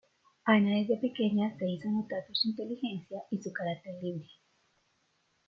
Ana desde pequeña se hizo notar por su inteligencia y su carácter libre.